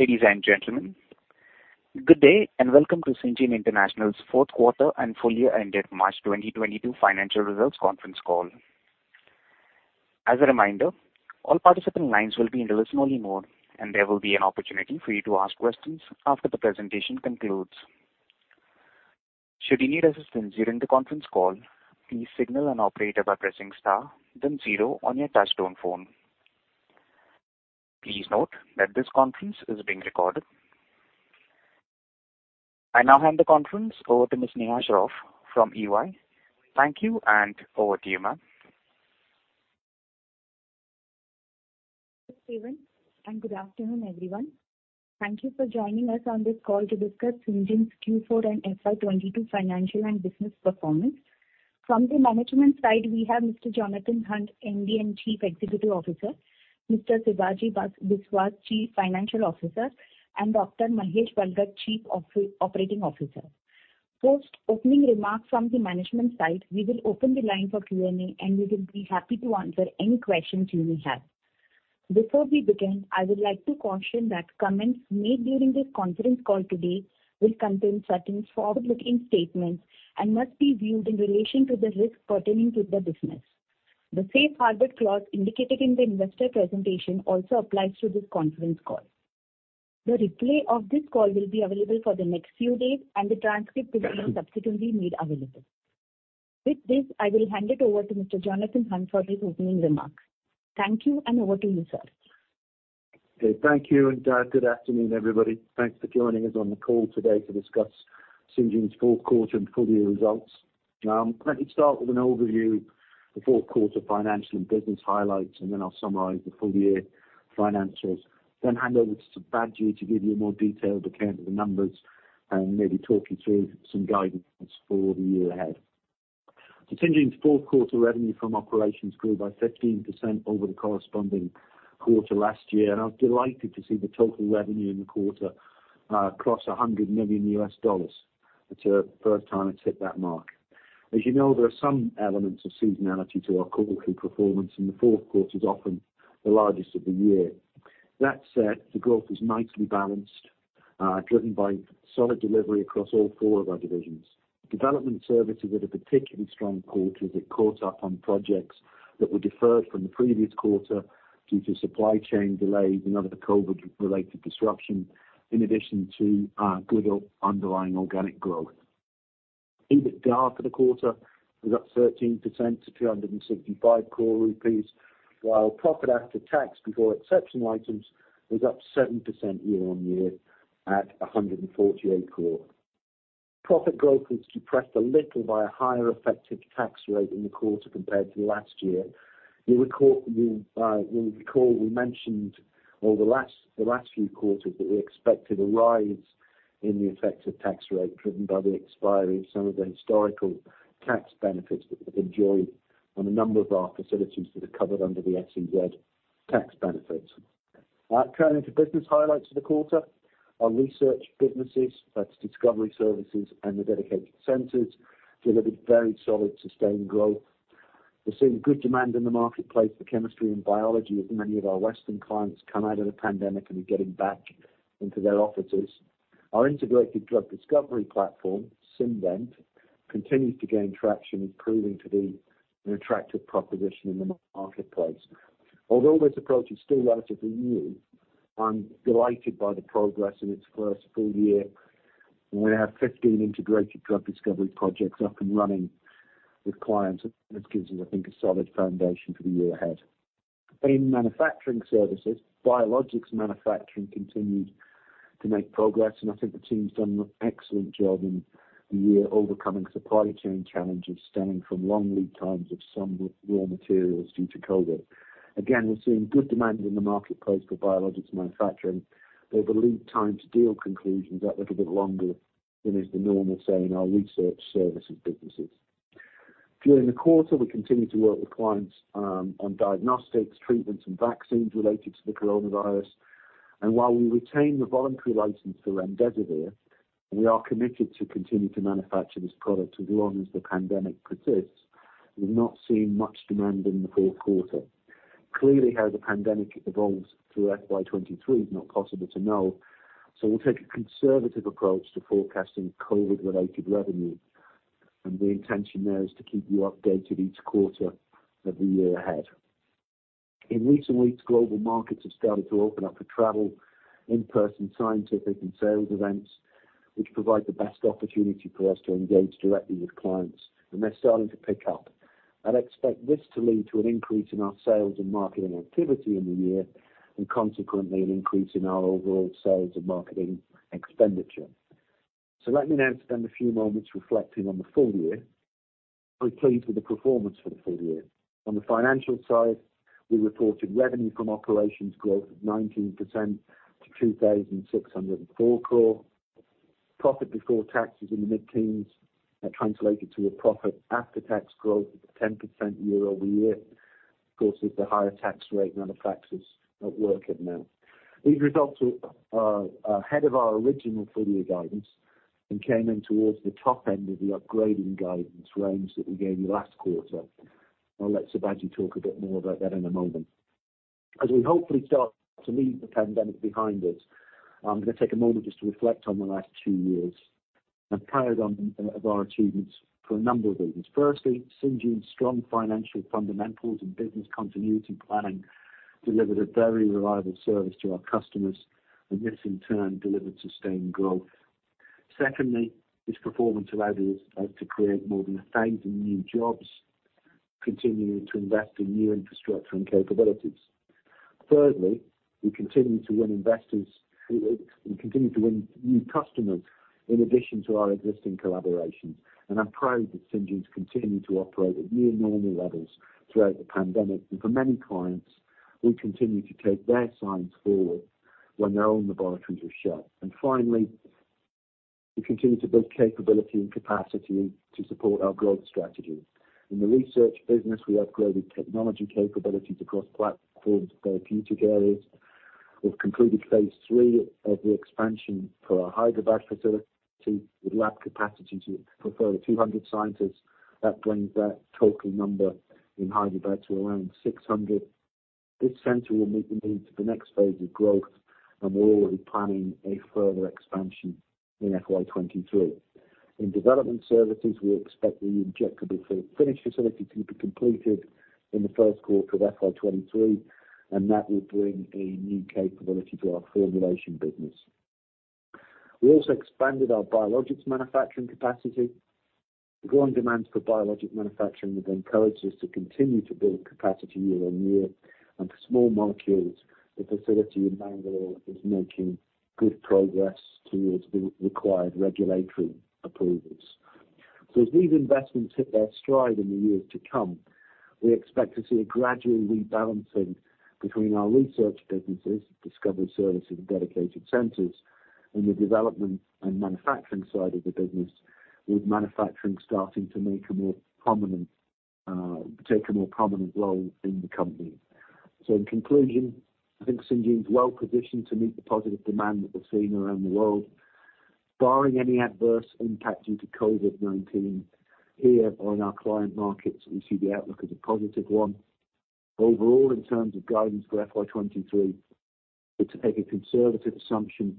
Ladies and gentlemen, good day and welcome to Syngene International's fourth quarter and full year ended March 2022 financial results conference call. As a reminder, all participant lines will be in listen only mode, and there will be an opportunity for you to ask questions after the presentation concludes. Should you need assistance during the conference call, please signal an operator by pressing star, then zero on your touchtone phone. Please note that this conference is being recorded. I now hand the conference over to Ms. Neha Shroff from EY. Thank you and over to you, ma'am. Good afternoon, everyone. Thank you for joining us on this call to discuss Syngene's Q4 and FY 2022 financial and business performance. From the management side, we have Mr. Jonathan Hunt, MD and Chief Executive Officer, Mr. Sibaji Biswas, Chief Financial Officer, and Dr. Mahesh Bhalgat, Chief Operating Officer. Post opening remarks from the management side, we will open the line for Q&A, and we will be happy to answer any questions you may have. Before we begin, I would like to caution that comments made during this conference call today will contain certain forward-looking statements and must be viewed in relation to the risk pertaining to the business. The safe harbor clause indicated in the investor presentation also applies to this conference call. The replay of this call will be available for the next few days and the transcript will be subsequently made available. With this, I will hand it over to Mr. Jonathan Hunt for his opening remarks. Thank you, and over to you, sir. Okay. Thank you, and good afternoon, everybody. Thanks for joining us on the call today to discuss Syngene's fourth quarter and full year results. Let me start with an overview, the fourth quarter financial and business highlights, and then I'll summarize the full year financials, then hand over to Sibaji to give you a more detailed account of the numbers and maybe talk you through some guidance for the year ahead. Syngene's fourth quarter revenue from operations grew by 15% over the corresponding quarter last year, and I was delighted to see the total revenue in the quarter cross $100 million. It's the first time it's hit that mark. As you know, there are some elements of seasonality to our quarterly performance, and the fourth quarter is often the largest of the year. That said, the growth is nicely balanced, driven by solid delivery across all four of our divisions. Development services had a particularly strong quarter that caught up on projects that were deferred from the previous quarter due to supply chain delays and other COVID-related disruption, in addition to good underlying organic growth. EBITDA for the quarter was up 13% to 365 crore rupees, while profit after tax before exceptional items was up 7% year-on-year at 148 crore. Profit growth was depressed a little by a higher effective tax rate in the quarter compared to last year. You'll recall we mentioned over the last few quarters that we expected a rise in the effective tax rate driven by the expiry of some of the historical tax benefits that we've enjoyed on a number of our facilities that are covered under the SEZ tax benefit. Turning to business highlights for the quarter. Our research businesses, that's discovery services and the dedicated centers, delivered very solid sustained growth. We're seeing good demand in the marketplace for chemistry and biology as many of our Western clients come out of the pandemic and are getting back into their offices. Our integrated drug discovery platform, SynVent, continues to gain traction, proving to be an attractive proposition in the marketplace. Although this approach is still relatively new, I'm delighted by the progress in its first full year. We have 15 integrated drug discovery projects up and running with clients. This gives us, I think, a solid foundation for the year ahead. In manufacturing services, biologics manufacturing continued to make progress, and I think the team's done an excellent job in the year overcoming supply chain challenges stemming from long lead times of some raw materials due to COVID. Again, we're seeing good demand in the marketplace for biologics manufacturing, though the lead time to deal conclusion is a little bit longer than is the normal, say, in our research services businesses. During the quarter, we continued to work with clients on diagnostics, treatments, and vaccines related to the coronavirus. While we retain the voluntary license for Remdesivir, we are committed to continue to manufacture this product as long as the pandemic persists. We've not seen much demand in the fourth quarter. Clearly, how the pandemic evolves through FY 2023 is not possible to know. We'll take a conservative approach to forecasting COVID-related revenue. The intention there is to keep you updated each quarter of the year ahead. In recent weeks, global markets have started to open up for travel, in-person scientific and sales events, which provide the best opportunity for us to engage directly with clients, and they're starting to pick up. I'd expect this to lead to an increase in our sales and marketing activity in the year and consequently an increase in our overall sales and marketing expenditure. Let me now spend a few moments reflecting on the full year. We're pleased with the performance for the full year. On the financial side, we reported revenue from operations growth of 19% to 2,604 crore. Profit before taxes in the mid-teens that translated to a profit after tax growth of 10% year-over-year. Of course, with the higher tax rate, none of the taxes at work in there. These results are ahead of our original full year guidance and came in towards the top end of the upgrading guidance range that we gave you last quarter. I'll let Sibaji talk a bit more about that in a moment. As we hopefully start to leave the pandemic behind us, I'm gonna take a moment just to reflect on the last two years. I'm proud of our achievements for a number of reasons. Firstly, Syngene's strong financial fundamentals and business continuity planning delivered a very reliable service to our customers, and this in turn delivered sustained growth. Secondly, this performance allowed us to create more than 1,000 new jobs, continuing to invest in new infrastructure and capabilities. Thirdly, we continue to win new customers in addition to our existing collaborations, and I'm proud that Syngene's continued to operate at near normal levels throughout the pandemic. For many clients, we continue to take their science forward when their own laboratories were shut. Finally, we continue to build capability and capacity to support our growth strategy. In the research business, we upgraded technology capabilities across platforms, therapeutic areas. We've concluded phase three of the expansion for our Hyderabad facility with lab capacity for over 200 scientists. That brings our total number in Hyderabad to around 600. This center will meet the needs of the next phase of growth, and we're already planning a further expansion in FY 2023. In development services, we expect the injectable fill-finish facility to be completed in the first quarter of FY 2023, and that will bring a new capability to our formulation business. We also expanded our biologics manufacturing capacity. The growing demands for biologic manufacturing have encouraged us to continue to build capacity year on year. For small molecules, the facility in Bangalore is making good progress towards the required regulatory approvals. As these investments hit their stride in the years to come, we expect to see a gradual rebalancing between our research businesses, discovery services, and dedicated centers in the development and manufacturing side of the business, with manufacturing starting to take a more prominent role in the company. In conclusion, I think Syngene's well-positioned to meet the positive demand that we're seeing around the world. Barring any adverse impact due to COVID-19 here or in our client markets, we see the outlook as a positive one. Overall, in terms of guidance for FY 2023, we had to take a conservative assumption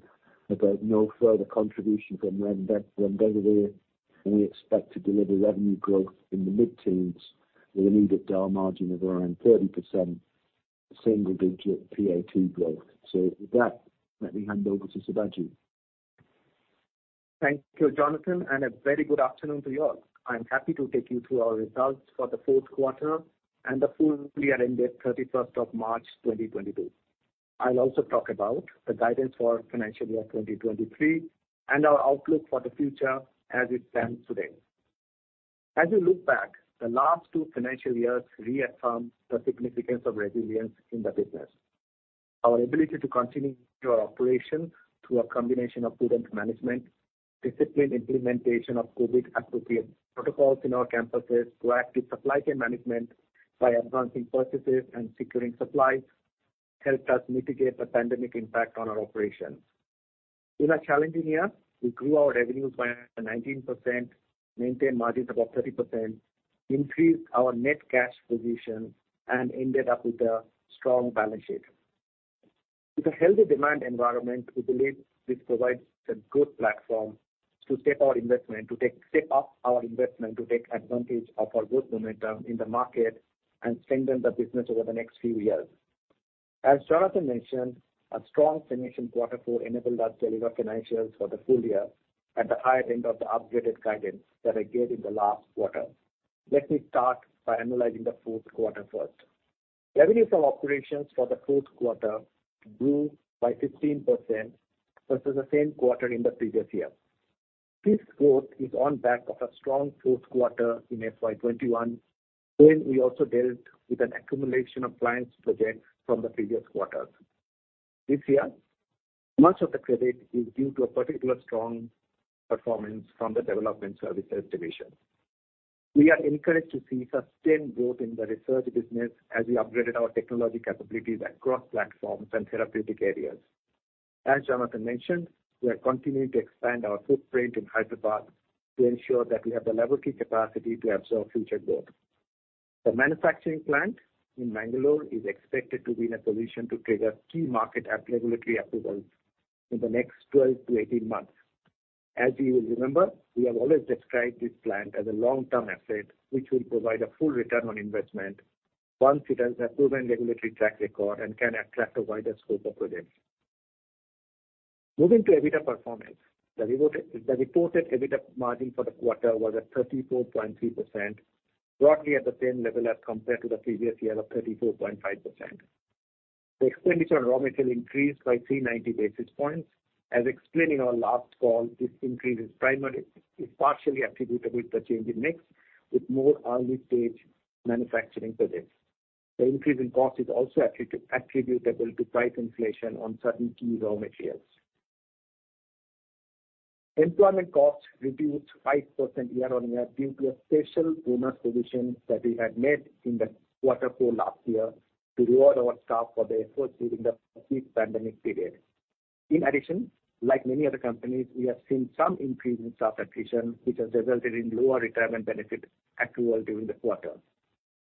about no further contribution from Remdesivir, and we expect to deliver revenue growth in the mid-teens with an EBITDA margin of around 30%, single-digit PAT growth. With that, let me hand over to Sibaji. Thank you, Jonathan, and a very good afternoon to you all. I'm happy to take you through our results for the fourth quarter and the full year ended thirty-first of March 2022. I'll also talk about the guidance for financial year 2023 and our outlook for the future as it stands today. As we look back, the last two financial years reaffirmed the significance of resilience in the business. Our ability to continue our operation through a combination of prudent management, disciplined implementation of COVID appropriate protocols in our campuses, proactive supply chain management by advancing purchases and securing supplies, helped us mitigate the pandemic impact on our operations. In a challenging year, we grew our revenues by 19%, maintained margins above 30%, increased our net cash position, and ended up with a strong balance sheet. With a healthy demand environment, we believe this provides a good platform to step up our investment, to take advantage of our good momentum in the market and strengthen the business over the next few years. As Jonathan mentioned, a strong finish in quarter four enabled us deliver financials for the full year at the higher end of the upgraded guidance that I gave in the last quarter. Let me start by analyzing the fourth quarter first. Revenues from operations for the fourth quarter grew by 15% versus the same quarter in the previous year. This growth is on back of a strong fourth quarter in FY 2021, when we also dealt with an accumulation of clients' projects from the previous quarters. This year, much of the credit is due to a particular strong performance from the development services division. We are encouraged to see sustained growth in the research business as we upgraded our technology capabilities across platforms and therapeutic areas. As Jonathan mentioned, we are continuing to expand our footprint in Hyderabad to ensure that we have the level key capacity to absorb future growth. The manufacturing plant in Bangalore is expected to be in a position to trigger key market and regulatory approvals in the next 12-18 months. As you will remember, we have always described this plant as a long-term asset which will provide a full return on investment once it has a proven regulatory track record and can attract a wider scope of projects. Moving to EBITDA performance. The reported EBITDA margin for the quarter was at 34.3%, broadly at the same level as compared to the previous year of 34.5%. The expenditure on raw material increased by 390 basis points. As explained in our last call, this increase is partially attributable to change in mix with more early-stage manufacturing projects. The increase in cost is also attributable to price inflation on certain key raw materials. Employment costs reduced 5% year-on-year due to a special bonus provision that we had made in the quarter four last year to reward our staff for their efforts during the peak pandemic period. In addition, like many other companies, we have seen some increase in staff attrition, which has resulted in lower retirement benefit accrual during the quarter.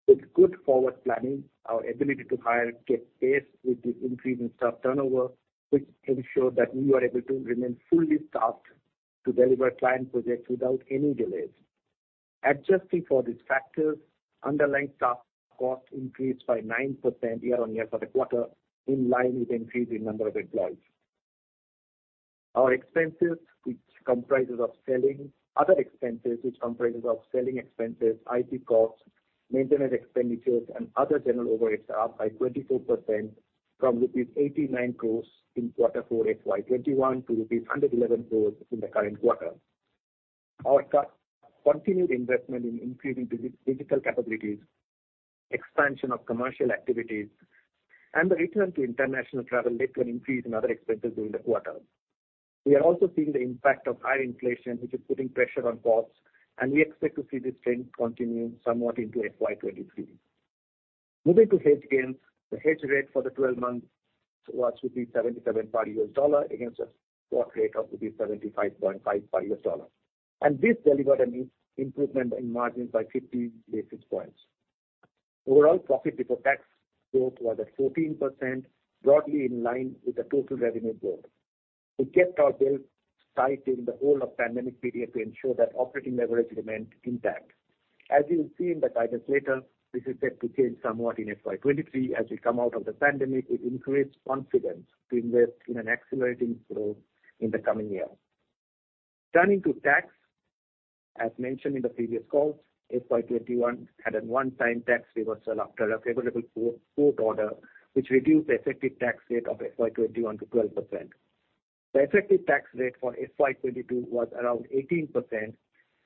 With good forward planning, our ability to hire kept pace with the increase in staff turnover, which ensured that we were able to remain fully staffed to deliver client projects without any delays. Adjusting for these factors, underlying staff costs increased by 9% year-on-year for the quarter, in line with increase in number of employees. Other expenses, which comprises of selling expenses, IT costs, maintenance expenditures, and other general overheads are up by 24% from 89 crores in quarter four FY 2021 to 111 crores in the current quarter. Our continued investment in increasing physical capabilities, expansion of commercial activities and the return to international travel led to an increase in other expenses during the quarter. We are also seeing the impact of higher inflation, which is putting pressure on costs, and we expect to see this trend continue somewhat into FY 2023. Moving to hedge gains. The hedge rate for the 12 months was 77 per US dollar against a spot rate of 75.5 per US dollar, and this delivered a neat improvement in margins by 50 basis points. Overall profit before tax growth was at 14%, broadly in line with the total revenue growth. We kept our belt tight in the whole of pandemic period to ensure that operating leverage remained intact. As you'll see in the titles later, this is set to change somewhat in FY 2023 as we come out of the pandemic with increased confidence to invest in an accelerating growth in the coming year. Turning to tax. As mentioned in the previous calls, FY 2021 had a one-time tax reversal after a favorable court order, which reduced the effective tax rate of FY 2021 to 12%. The effective tax rate for FY 2022 was around 18%,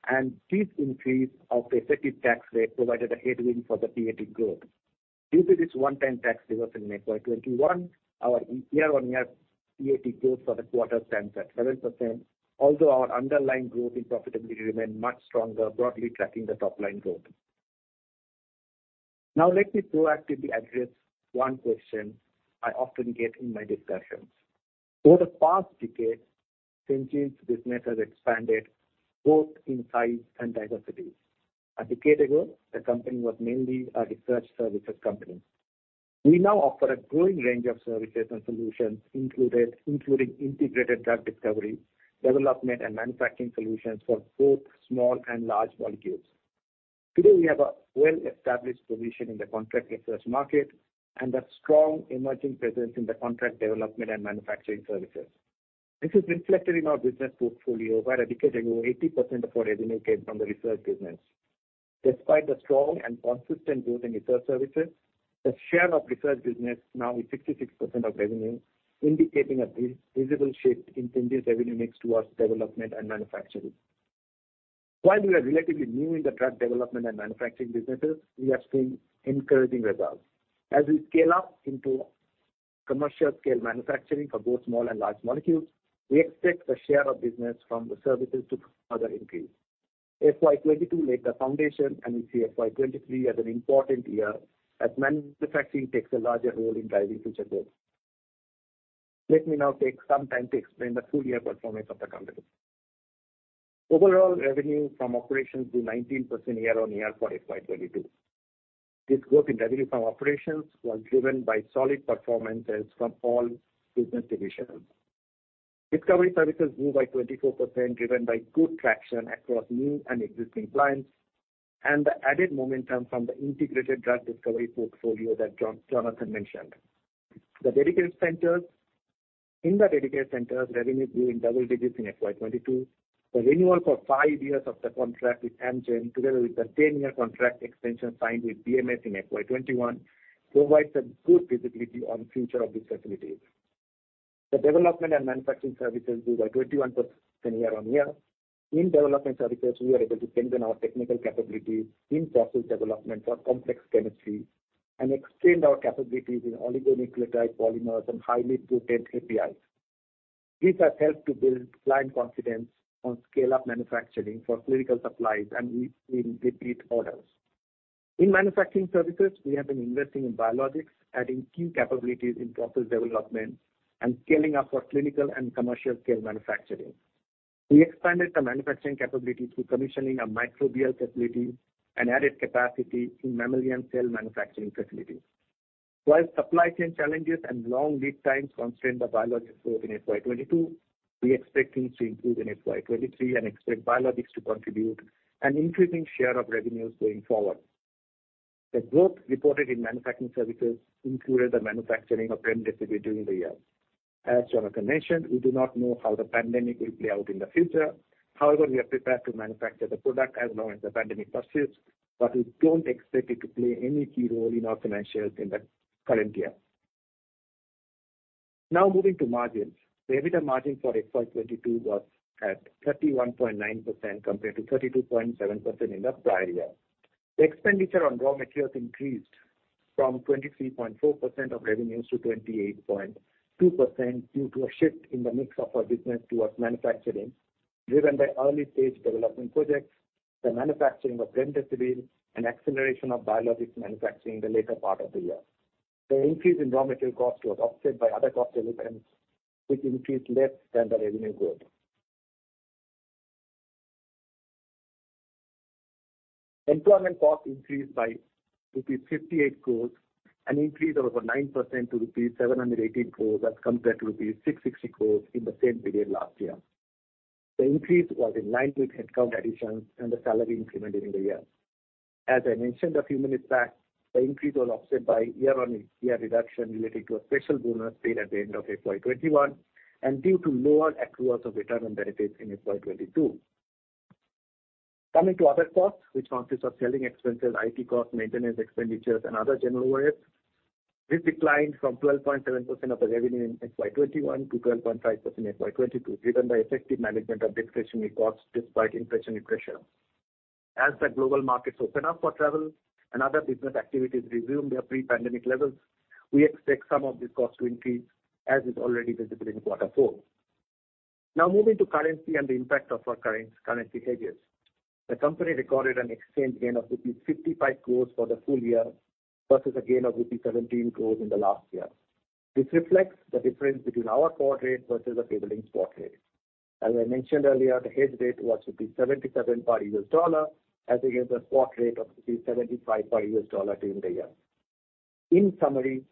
and this increase of effective tax rate provided a headwind for the PAT growth. Due to this one-time tax reversal in FY 2021, our year-on-year PAT growth for the quarter stands at 7% although our underlying growth in profitability remained much stronger, broadly tracking the top line growth. Now let me proactively address one question I often get in my discussions. Over the past decade, Syngene's business has expanded both in size and diversity. A decade ago, the company was mainly a research services company. We now offer a growing range of services and solutions including integrated drug discovery, development and manufacturing solutions for both small and large molecules. Today, we have a well-established position in the contract research market and a strong emerging presence in the contract development and manufacturing services. This is reflected in our business portfolio, where a decade ago, 80% of our revenue came from the research business. Despite the strong and consistent growth in research services, the share of research business now is 66% of revenue, indicating a visible shift in Syngene's revenue mix towards development and manufacturing. While we are relatively new in the drug development and manufacturing businesses, we have seen encouraging results. As we scale up into commercial scale manufacturing for both small and large molecules, we expect the share of business from the services to further increase. FY 2022 laid the foundation, and we see FY 2023 as an important year as manufacturing takes a larger role in driving future growth. Let me now take some time to explain the full year performance of the company. Overall revenue from operations grew 19% year-on-year for FY 2022. This growth in revenue from operations was driven by solid performances from all business divisions. Discovery services grew by 24%, driven by good traction across new and existing clients and the added momentum from the integrated drug discovery portfolio that Jonathan mentioned. In the dedicated centers, revenue grew in double digits in FY 2022. The renewal for five years of the contract with Amgen, together with the 10-year contract extension signed with BMS in FY 2021, provides a good visibility on future of these facilities. The development and manufacturing services grew by 21% year-on-year. In development services, we were able to strengthen our technical capabilities in process development for complex chemistry and extend our capabilities in oligonucleotide polymers and highly potent APIs. These have helped to build client confidence on scale-up manufacturing for clinical supplies and repeat orders. In manufacturing services, we have been investing in biologics, adding key capabilities in process development and scaling up for clinical and commercial scale manufacturing. We expanded the manufacturing capability through commissioning a microbial facility and added capacity in mammalian cell manufacturing facilities. While supply chain challenges and long lead times constrained the biologics growth in FY 2022, we expect things to improve in FY 2023 and expect biologics to contribute an increasing share of revenues going forward. The growth reported in manufacturing services included the manufacturing of Remdesivir during the year. As Jonathan mentioned, we do not know how the pandemic will play out in the future. However, we are prepared to manufacture the product as long as the pandemic persists, but we don't expect it to play any key role in our financials in the current year. Now moving to margins. The EBITDA margin for FY 2022 was at 31.9% compared to 32.7% in the prior year. The expenditure on raw materials increased from 23.4% of revenues to 28.2% due to a shift in the mix of our business towards manufacturing, driven by early-stage development projects, the manufacturing of Remdesivir, and acceleration of biologics manufacturing in the later part of the year. The increase in raw material cost was offset by other cost elements, which increased less than the revenue growth. Employment cost increased by rupees 58 crore, an increase of over 9% to rupees 718 crore as compared to rupees 660 crore in the same period last year. The increase was in line with headcount additions and the salary increment during the year. As I mentioned a few minutes back, the increase was offset by year-on-year reduction related to a special bonus paid at the end of FY 2021 and due to lower accruals of retirement benefits in FY 2022. Coming to other costs, which consists of selling expenses, IT costs, maintenance expenditures, and other general overheads. This declined from 12.7% of the revenue in FY 2021 to 12.5% in FY 2022, driven by effective management of discretionary costs despite inflationary pressures. As the global markets open up for travel and other business activities resume their pre-pandemic levels, we expect some of these costs to increase, as is already visible in quarter four. Now moving to currency and the impact of our currency hedges. The company recorded an exchange gain of rupees 55 crore for the full year versus a gain of rupees 17 crore in the last year. This reflects the difference between our forward rate versus the prevailing spot rate. As I mentioned earlier, the hedge rate was 77 per US dollar as against the spot rate of 75 per US dollar during the year. In summary,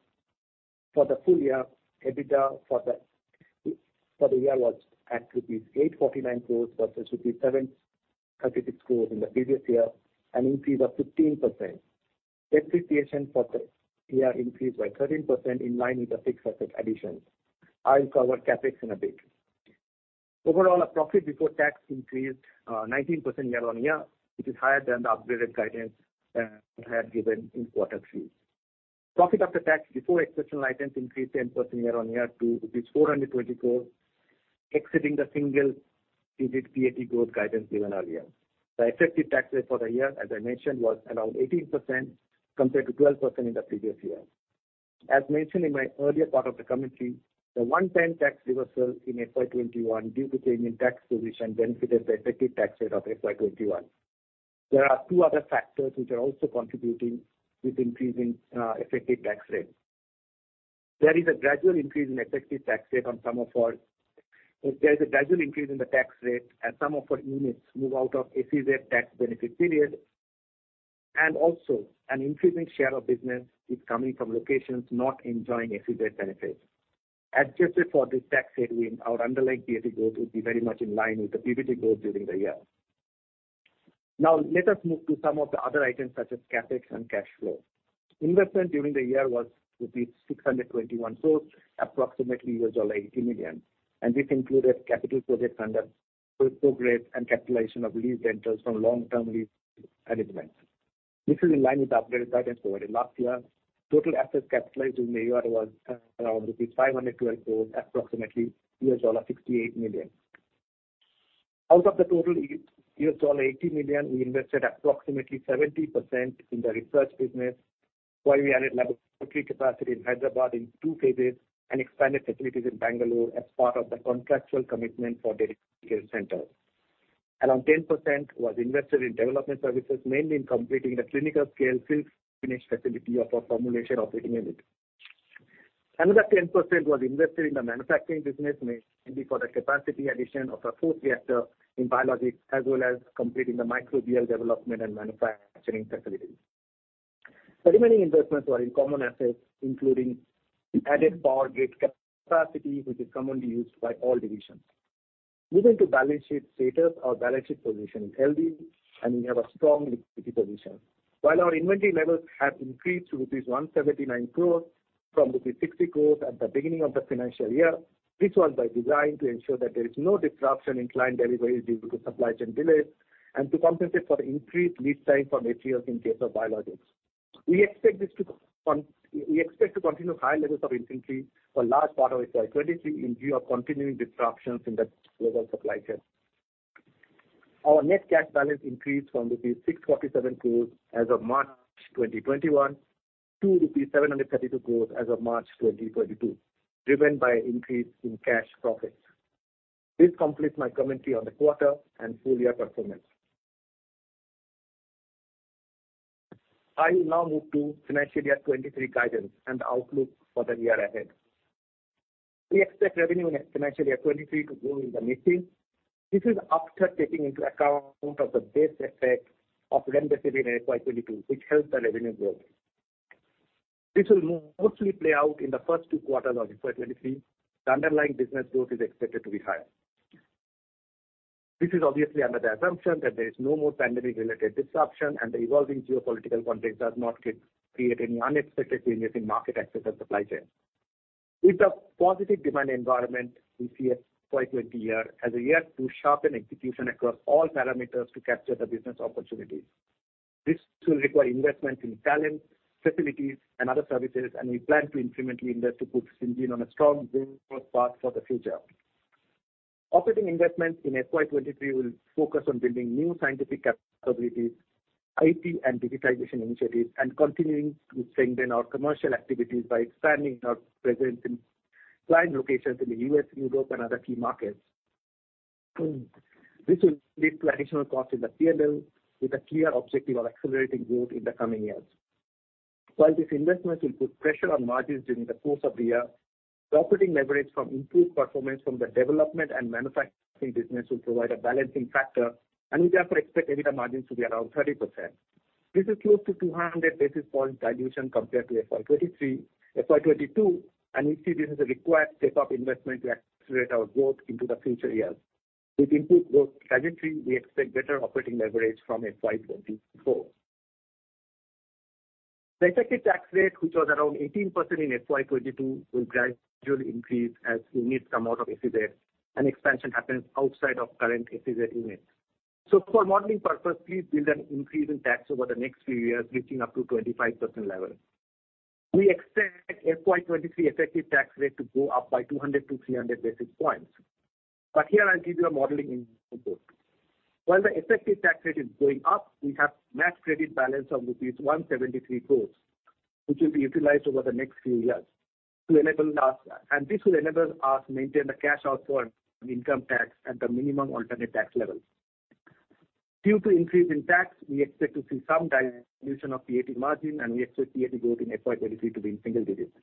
for the full year, EBITDA for the year was at rupees 849 crore versus rupees 736 crore in the previous year, an increase of 15%. Depreciation for the year increased by 13% in line with the fixed asset additions. I'll cover CapEx in a bit. Overall, our profit before tax increased nineteen percent year-on-year, which is higher than the upgraded guidance we had given in quarter three. Profit after tax before exceptional items increased 10% year-on-year to rupees 420 crores, exceeding the single-digit PAT growth guidance given earlier. The effective tax rate for the year, as I mentioned, was around 18% compared to 12% in the previous year. As mentioned in my earlier part of the commentary, the one-time tax reversal in FY 2021 due to payment tax position benefited the effective tax rate of FY 2021. There are two other factors which are also contributing with increasing effective tax rate. There is a gradual increase in the tax rate as some of our units move out of SEZ tax benefit period, and also an increasing share of business is coming from locations not enjoying SEZ benefits. Adjusted for this tax rate, our underlying PAT growth would be very much in line with the PBT growth during the year. Now let us move to some of the other items such as CapEx and cash flow. Investment during the year was rupees 621 crores, approximately $80 million, and this included capital projects under progress and capitalization of lease rentals from long-term lease arrangements. This is in line with the updated guidance provided last year. Total assets capitalized during the year was around rupees 512 crores, approximately $68 million. Out of the total $80 million, we invested approximately 70% in the research business, while we added laboratory capacity in Hyderabad in two phases and expanded facilities in Bangalore as part of the contractual commitment for dedicated centers. Around 10% was invested in development services, mainly in completing the clinical scale fill finish facility of our formulation operating unit. Another 10% was invested in the manufacturing business, mainly for the capacity addition of our fourth reactor in biologics, as well as completing the microbial development and manufacturing facilities. The remaining investments were in common assets, including the added power grid capacity, which is commonly used by all divisions. Moving to balance sheet status. Our balance sheet position is healthy, and we have a strong liquidity position. While our inventory levels have increased to 179 crore from 60 crore at the beginning of the financial year, this was by design to ensure that there is no disruption in client deliveries due to supply chain delays and to compensate for increased lead time from OEMs in case of biologics. We expect to continue high levels of inventory for large part of FY 2023 in view of continuing disruptions in the global supply chain. Our net cash balance increased from rupees 647 crore as of March 2021 to rupees 732 crore as of March 2022, driven by increase in cash profits. This completes my commentary on the quarter and full year performance. I will now move to financial year 2023 guidance and outlook for the year ahead. We expect revenue in financial year 2023 to grow in the mid-teens. This is after taking into account of the base effect of Remdesivir in FY 2022, which helped the revenue growth. This will mostly play out in the first two quarters of FY 2023. The underlying business growth is expected to be higher. This is obviously under the assumption that there is no more pandemic-related disruption and the evolving geopolitical context does not create any unexpected changes in market access and supply chain. With the positive demand environment we see at FY 2020 as a year to sharpen execution across all parameters to capture the business opportunities. This will require investment in talent, facilities, and other services, and we plan to incrementally invest to put Syngene on a strong growth path for the future. Operating investments in FY 2023 will focus on building new scientific capabilities, IT and digitization initiatives, and continuing to strengthen our commercial activities by expanding our presence in client locations in the US, Europe, and other key markets. This will lead to additional cost in the P&L with a clear objective of accelerating growth in the coming years. While these investments will put pressure on margins during the course of the year, the operating leverage from improved performance from the development and manufacturing business will provide a balancing factor, and we therefore expect EBITDA margins to be around 30%. This is close to 200 basis points dilution compared to FY 2022, and we see this as a required step-up investment to accelerate our growth into the future years. With improved growth trajectory, we expect better operating leverage from FY 2024. The effective tax rate, which was around 18% in FY 2022, will gradually increase as we move some out of SEZ and expansion happens outside of current SEZ units. For modeling purposes, please build an increase in tax over the next few years, reaching up to 25% level. We expect FY 2023 effective tax rate to go up by 200-300 basis points. Here I'll give you a modeling input. While the effective tax rate is going up, we have MAT credit balance of rupees 173 crore, which will be utilized over the next few years to enable us and this will enable us to maintain the cash outgo for income tax at the MAT level. Due to increase in tax, we expect to see some dilution of PAT margin, and we expect PAT growth in FY 2023 to be in single digits.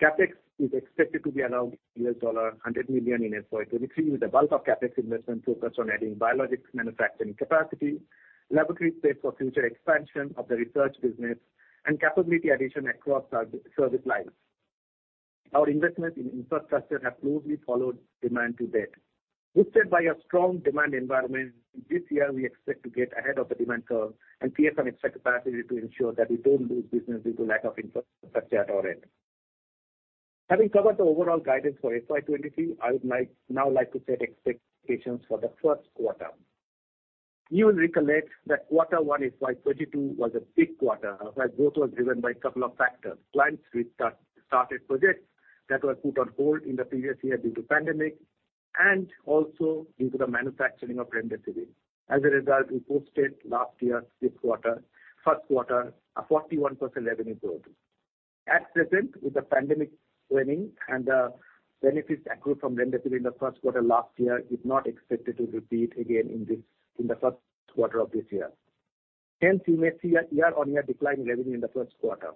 CapEx is expected to be around $100 million in FY 2023, with the bulk of CapEx investment focused on adding biologics manufacturing capacity, laboratory space for future expansion of the research business, and capability addition across our service lines. Our investment in infrastructure have closely followed demand to date. Boosted by a strong demand environment, this year we expect to get ahead of the demand curve and create some extra capacity to ensure that we don't lose business due to lack of infrastructure at our end. Having covered the overall guidance for FY 2023, I would like to set expectations for the first quarter. You will recollect that quarter one in FY 2022 was a big quarter, where growth was driven by a couple of factors. Clients restarted projects that were put on hold in the previous year due to pandemic and also due to the manufacturing of Remdesivir. As a result, we posted last year first quarter a 41% revenue growth. At present, with the pandemic waning and the benefits accrued from Remdesivir in the first quarter last year is not expected to repeat again in the first quarter of this year. Hence, you may see a year-on-year decline in revenue in the first quarter.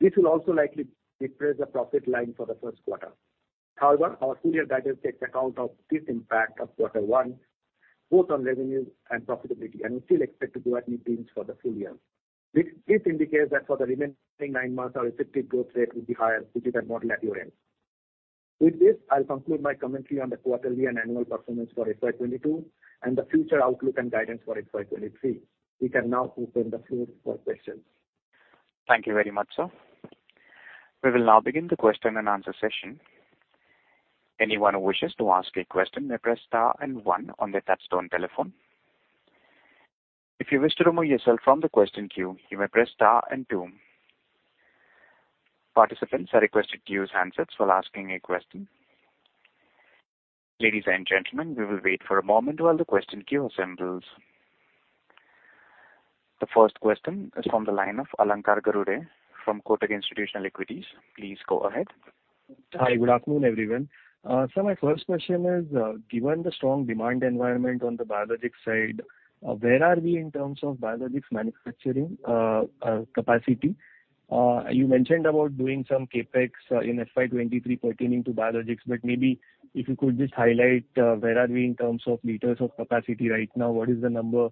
This will also likely depress the profit line for the first quarter. However, our full-year guidance takes account of this impact of quarter one, both on revenue and profitability, and we still expect to grow at mid-teens% for the full year. This indicates that for the remaining nine months, our respective growth rate will be higher, which you can model at your end. With this, I'll conclude my commentary on the quarterly and annual performance for FY 2022 and the future outlook and guidance for FY 2023. We can now open the floor for questions. Thank you very much, sir. We will now begin the question-and-answer session. Anyone who wishes to ask a question may press star and one on their touch-tone telephone. If you wish to remove yourself from the question queue, you may press star and two. Participants are requested to use handsets while asking a question. Ladies and gentlemen, we will wait for a moment while the question queue assembles. The first question is from the line of Alankar Garude from Kotak Institutional Equities. Please go ahead. Hi. Good afternoon, everyone. So my first question is, given the strong demand environment on the biologics side, where are we in terms of biologics manufacturing capacity? You mentioned about doing some CapEx in FY 2023 pertaining to biologics, but maybe if you could just highlight, where are we in terms of liters of capacity right now? What is the number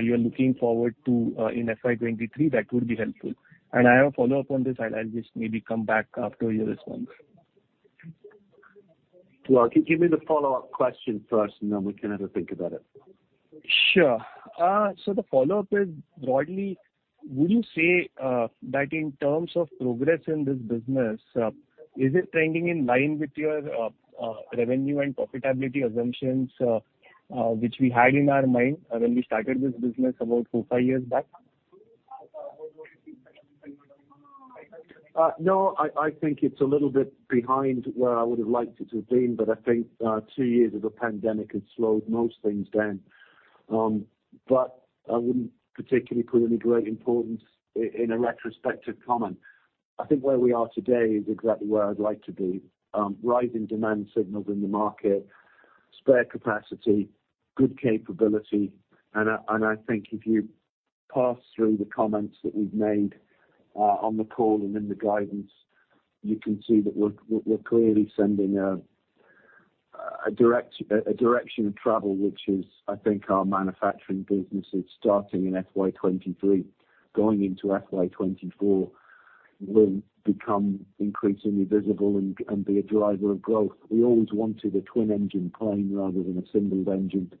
you are looking forward to in FY 2023? That would be helpful. I have a follow-up on this. I'll just maybe come back after your response. Well, can give me the follow-up question first, and then we can have a think about it. Sure. The follow-up is broadly, would you say, that in terms of progress in this business, is it trending in line with your revenue and profitability assumptions, which we had in our mind, when we started this business about four to five years back? No, I think it's a little bit behind where I would have liked it to have been, but I think two years of a pandemic has slowed most things down. I wouldn't particularly put any great importance in a retrospective comment. I think where we are today is exactly where I'd like to be. Rising demand signals in the market, spare capacity, good capability, and I think if you parse through the comments that we've made on the call and in the guidance, you can see that we're clearly sending a direction of travel, which is, I think, our manufacturing businesses starting in FY 2023. Going into FY 2024 will become increasingly visible and be a driver of growth. We always wanted a twin-engine plane rather than a single-engined.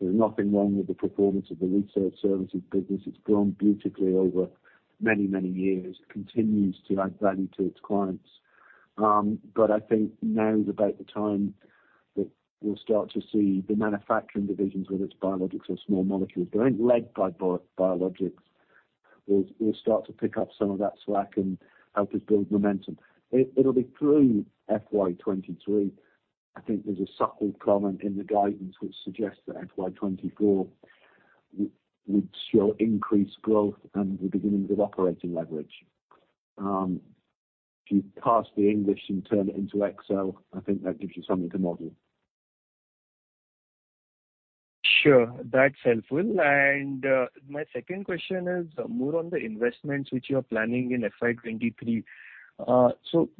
There's nothing wrong with the performance of the research services business. It's grown beautifully over many, many years. It continues to add value to its clients. I think now is about the time that we'll start to see the manufacturing divisions, whether it's biologics or small molecules growing, led by biologics. We'll start to pick up some of that slack and help us build momentum. It'll be through FY 2023. I think there's a subtle comment in the guidance which suggests that FY 2024 will show increased growth and the beginnings of operating leverage. If you parse the English and turn it into Excel, I think that gives you something to model. Sure. That's helpful. My second question is more on the investments which you are planning in FY 2023.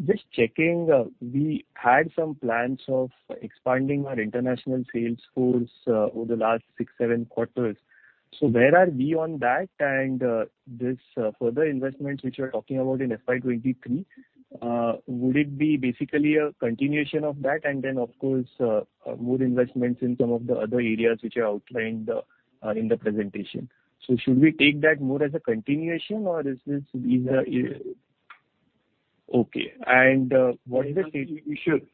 Just checking, we had some plans of expanding our international sales force over the last six to seven quarters. Where are we on that? This further investments which you're talking about in FY 2023 would it be basically a continuation of that, and then of course more investments in some of the other areas which are outlined in the presentation? Should we take that more as a continuation? Okay. What is the- You should.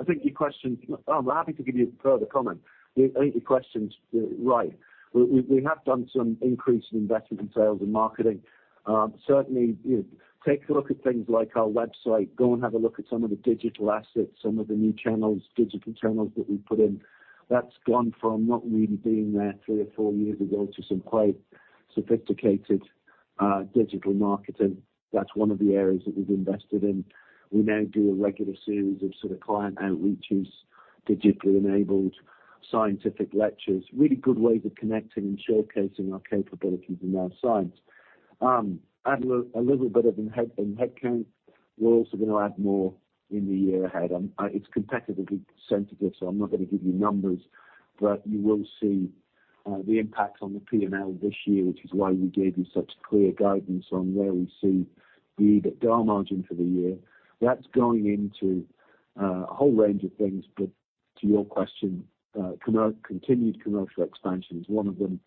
I think your question. I'm happy to give you further comment. I think your question's right. We have done some increase in investment in sales and marketing. Certainly, you know, take a look at things like our website. Go and have a look at some of the digital assets, some of the new channels, digital channels that we've put in. That's gone from not really being there three or four years ago to some quite sophisticated digital marketing. That's one of the areas that we've invested in. We now do a regular series of sort of client outreaches, digitally enabled scientific lectures, really good ways of connecting and showcasing our capabilities and our science. Add a little bit of in headcount. We're also gonna add more in the year ahead. It's competitively sensitive, so I'm not gonna give you numbers, but you will see the impact on the P&L this year, which is why we gave you such clear guidance on where we see the EBITDA margin for the year. That's going into a whole range of things. To your question, continued commercial expansion is one of them.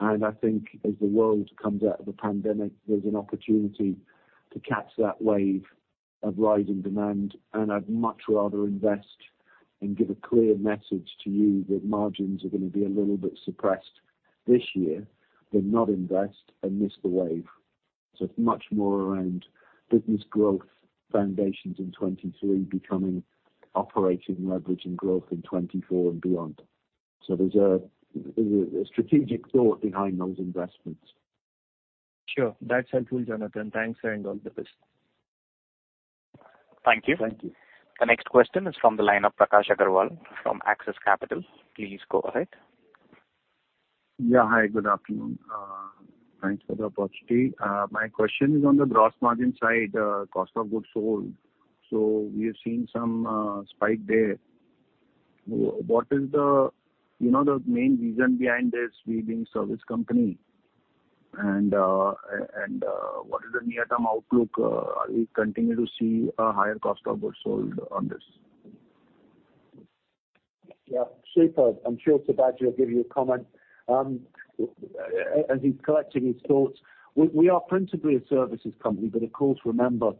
I think as the world comes out of the pandemic, there's an opportunity to catch that wave of rising demand. I'd much rather invest and give a clear message to you that margins are gonna be a little bit suppressed this year than not invest and miss the wave. It's much more around business growth foundations in 2023 becoming operating leverage and growth in 2024 and beyond. There's a strategic thought behind those investments. Sure. That's helpful, Jonathan. Thanks and all the best. Thank you. Thank you. The next question is from the line of Prakash Agarwal from Axis Capital. Please go ahead. Yeah. Hi, good afternoon. Thanks for the opportunity. My question is on the gross margin side, cost of goods sold. We have seen some spike there. What is the, you know, the main reason behind this being service company? What is the near-term outlook? Are we continuing to see a higher cost of goods sold on this? Yeah. Super. I'm sure Sibaji Biswas will give you a comment, as he's collecting his thoughts. We are principally a services company, but of course, remember,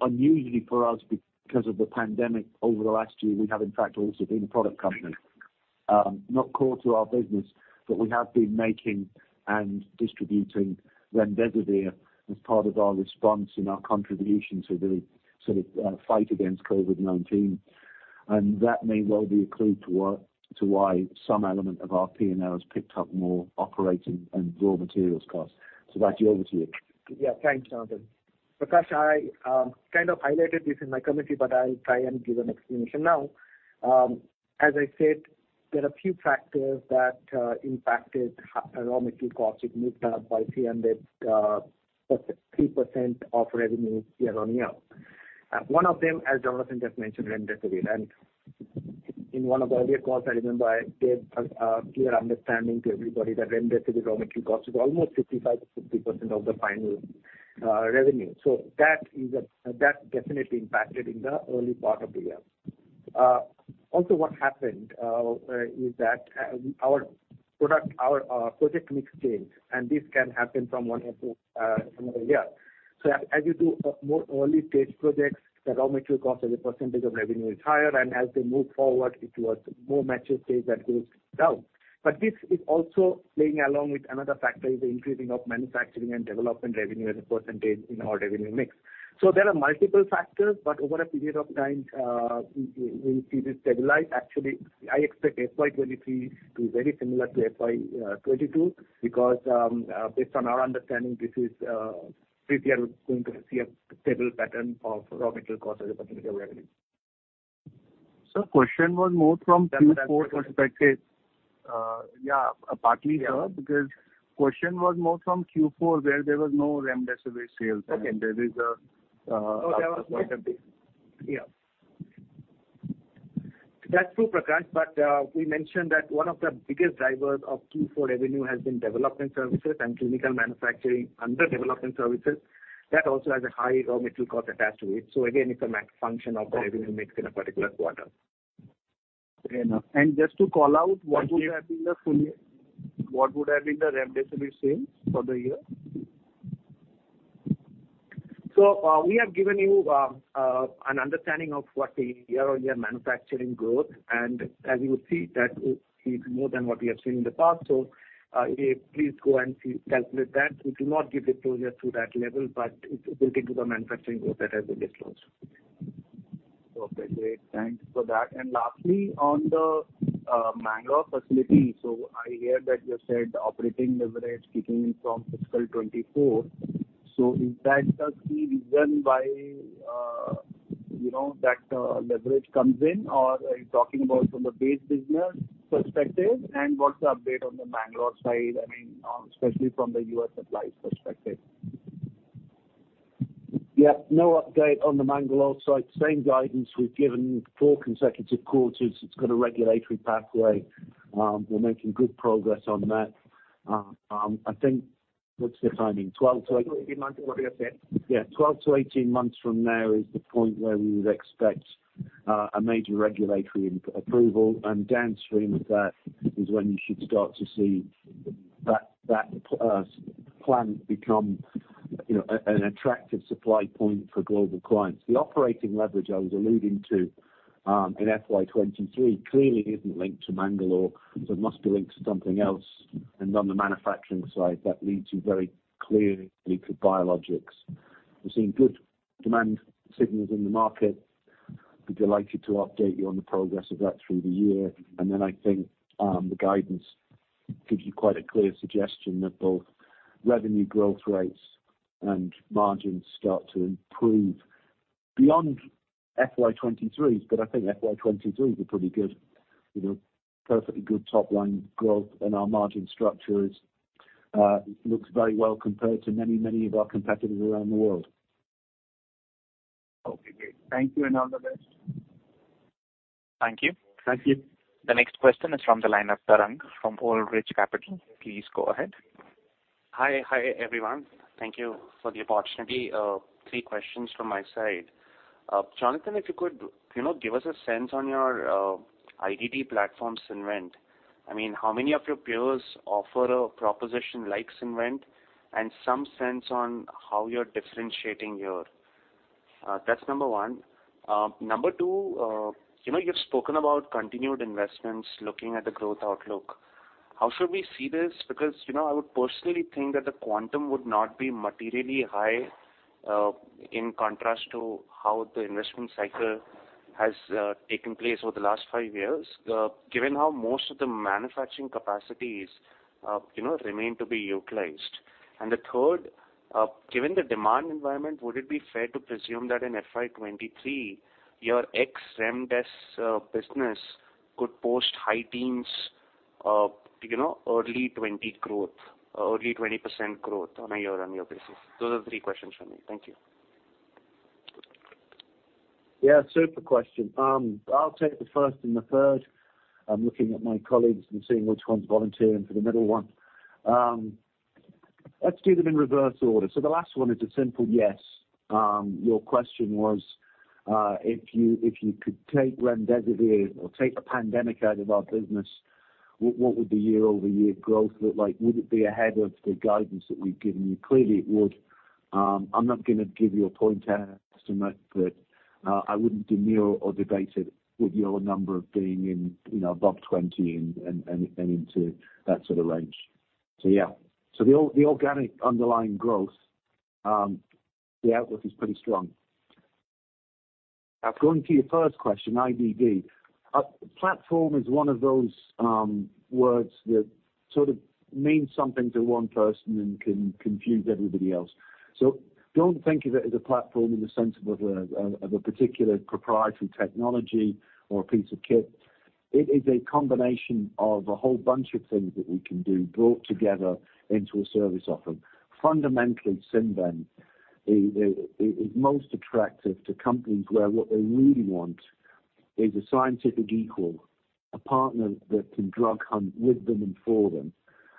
unusually for us because of the pandemic over the last year, we have in fact also been a product company. Not core to our business, but we have been making and distributing Remdesivir as part of our response and our contribution to the sort of, fight against COVID-19. That may well be a clue to why some element of our P&L has picked up more operating and raw materials costs. Sibaji Biswas, over to you. Yeah. Thanks, Jonathan. Prakash, I kind of highlighted this in my commentary, but I'll try and give an explanation now. As I said, there are few factors that impacted raw material costs. It moved up by 3% of revenue year-on-year. One of them, as Jonathan just mentioned, Remdesivir. In one of the earlier calls, I remember I gave a clear understanding to everybody that Remdesivir raw material cost is almost 55%-60% of the final revenue. That definitely impacted in the early part of the year. Also what happened is that our project mix changed, and this can happen from one year to another year. As you do more early stage projects, the raw material cost as a percentage of revenue is higher, and as they move forward towards more mature stage, that goes down. This is also playing along with another factor, is the increasing of manufacturing and development revenue as a percentage in our revenue mix. There are multiple factors, but over a period of time, we'll see this stabilize. Actually, I expect FY 2023 to be very similar to FY 2022 because, based on our understanding, we're going to see a stable pattern of raw material cost as a percentage of revenue. Sir, question was more from. That's. Q4 perspective. Yeah, partly sir- Yeah... because question was more from Q4 where there was no Remdesivir sales. Okay. And there is a, uh- Okay. Afterward update. Yeah. That's true, Prakash, but we mentioned that one of the biggest drivers of Q4 revenue has been development services and clinical manufacturing under development services. That also has a high raw material cost attached to it. Again, it's a function of the revenue mix in a particular quarter. Fair enough. Just to call out. Thank you. What would have been the Remdesivir sales for the year? We have given you an understanding of what the year-on-year manufacturing growth, and as you would see that is more than what we have seen in the past. Please go and see, calculate that. We do not give EPS yet to that level, but it will get to the manufacturing growth that has been disclosed. Okay, great. Thanks for that. Lastly, on the Mangalore facility. I hear that you have said operating leverage kicking in from fiscal 2024. Is that the key reason why, you know, that leverage comes in? Or are you talking about from the base business perspective? What's the update on the Mangalore side, I mean, especially from the U.S. supply perspective? Yeah, no update on the Mangalore side. Same guidance we've given four consecutive quarters. It's got a regulatory pathway. We're making good progress on that. I think what's the timing? 12 to- 12-18 months. Yeah. 12-18 months from now is the point where we would expect a major regulatory approval. Downstream of that is when you should start to see that plant become, you know, an attractive supply point for global clients. The operating leverage I was alluding to in FY 2023 clearly isn't linked to Mangalore, so it must be linked to something else. On the manufacturing side, that leads you very clearly to biologics. We're seeing good demand signals in the market. We'd be delighted to update you on the progress of that through the year. I think the guidance gives you quite a clear suggestion that both revenue growth rates and margins start to improve beyond FY 2023s. I think FY 2023s are pretty good, you know, perfectly good top-line growth. Our margin structure is, looks very well compared to many of our competitors around the world. Okay, great. Thank you and all the best. Thank you. Thank you. The next question is from the line of Tarang from Old Bridge Capital. Please go ahead. Hi. Hi, everyone. Thank you for the opportunity. Three questions from my side. Jonathan, if you could, you know, give us a sense on your IDD platform SynVent. I mean, how many of your peers offer a proposition like SynVent and some sense on how you're differentiating your. That's number one. Number two, you know, you've spoken about continued investments looking at the growth outlook. How should we see this? Because, you know, I would personally think that the quantum would not be materially high, in contrast to how the investment cycle has taken place over the last five years, given how most of the manufacturing capacities, you know, remain to be utilized. The third, given the demand environment, would it be fair to presume that in FY 2023, your ex-Remdes business could post high teens, you know, early 20 growth, early 20% growth on a year-on-year basis? Those are three questions from me. Thank you. Yeah, super question. I'll take the first and the third. I'm looking at my colleagues and seeing which one's volunteering for the middle one. Let's do them in reverse order. The last one is a simple yes. Your question was, if you could take Remdesivir or take the pandemic out of our business, what would the year-over-year growth look like? Would it be ahead of the guidance that we've given you? Clearly, it would. I'm not gonna give you a point estimate, but I wouldn't demur or debate it with your number of being in, you know, above 20 and into that sort of range. Yeah, the organic underlying growth, the outlook is pretty strong. Now, going to your first question, IDD. Platform is one of those words that sort of means something to one person and can confuse everybody else. Don't think of it as a platform in the sense of a particular proprietary technology or a piece of kit. It is a combination of a whole bunch of things that we can do brought together into a service offering. Fundamentally, SynVent is most attractive to companies where what they really want is a scientific equal, a partner that can drug hunt with them and for them,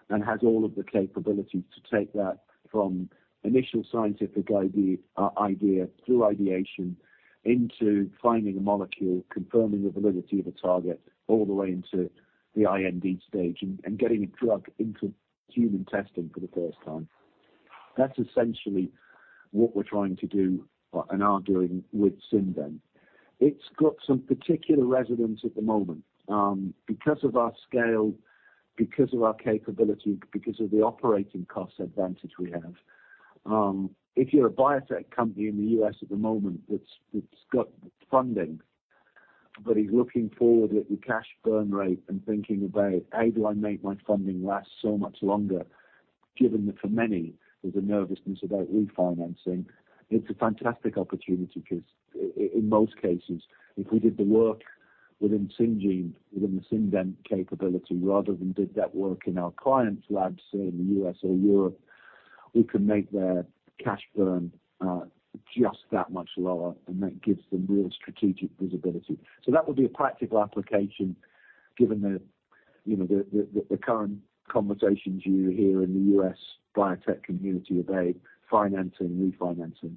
and has all of the capabilities to take that from initial scientific idea through ideation into finding a molecule, confirming the validity of a target, all the way into the IND stage and getting a drug into human testing for the first time. That's essentially what we're trying to do and are doing with SynVent. It's got some particular resonance at the moment because of our scale, because of our capability, because of the operating cost advantage we have. If you're a biotech company in the U.S. at the moment that's got funding, but is looking forward at the cash burn rate and thinking about how do I make my funding last so much longer, given that for many there's a nervousness about refinancing, it's a fantastic opportunity because in most cases, if we did the work within Syngene, within the SynVent capability, rather than did that work in our clients' labs, say, in the U.S. or Europe, we can make their cash burn just that much lower, and that gives them real strategic visibility. That would be a practical application given the, you know, current conversations you hear in the U.S. biotech community about financing, refinancing.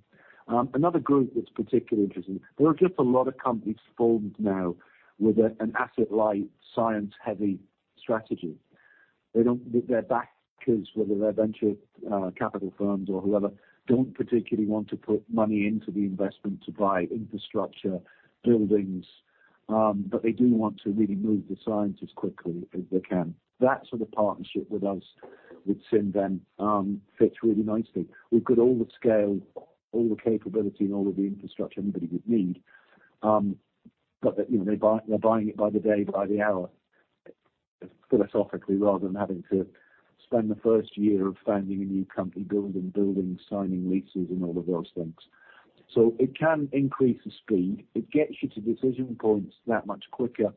Another group that's particularly interesting, there are just a lot of companies formed now with an asset-light, science-heavy strategy. Their backers, whether they're venture capital firms or whoever, don't particularly want to put money into the investment to buy infrastructure, buildings, but they do want to really move the science as quickly as they can. That sort of partnership with us fits really nicely. We've got all the scale, all the capability, and all of the infrastructure anybody would need. that, you know, they're buying it by the day, by the hour, philosophically, rather than having to spend the first year of founding a new company building, signing leases, and all of those things. It can increase the speed. It gets you to decision points that much quicker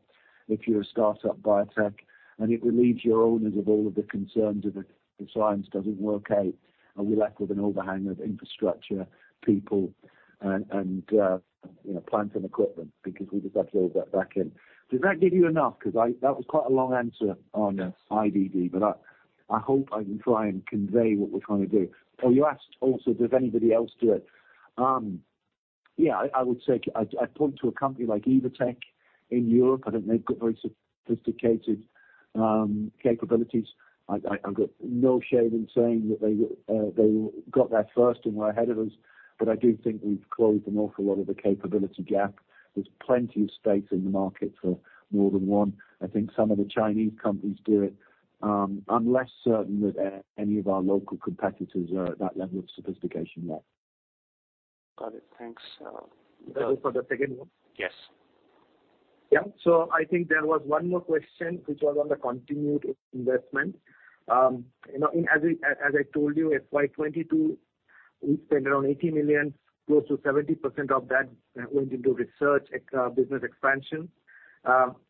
if you're a start-up biotech, and it relieves your owners of all of the concerns if the science doesn't work out, are we left with an overhang of infrastructure, people, and you know, plants and equipment because we just have to give that back in. Did that give you enough? 'Cause that was quite a long answer on IDD, but I hope I can try and convey what we're trying to do. Oh, you asked also does anybody else do it. Yeah, I would say I'd point to a company like Evotec in Europe. I think they've got very sophisticated capabilities. I've got no shame in saying that they got there first and were ahead of us, but I do think we've closed an awful lot of the capability gap. There's plenty of space in the market for more than one. I think some of the Chinese companies do it. I'm less certain that any of our local competitors are at that level of sophistication yet. Got it. Thanks. Tarang, for the second one? Yes. Yeah. I think there was one more question which was on the continued investment. You know, as I told you, FY 2022, we spent around $80 million. Close to 70% of that went into research, business expansion.